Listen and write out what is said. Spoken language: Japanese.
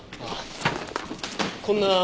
あっ！